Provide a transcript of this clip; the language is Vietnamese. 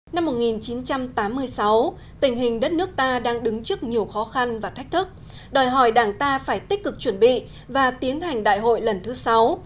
năm một nghìn chín trăm tám mươi sáu tình hình đất nước ta đang đứng trước nhiều khó khăn và thách thức đòi hỏi đảng ta phải tích cực chuẩn bị và tiến hành đại hội lần thứ sáu